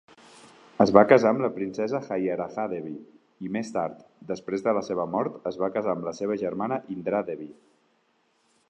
Es va casar amb la princesa Jayarajadevi i més tard, després de la seva mort, es va casar amb la seva germana Indradevi.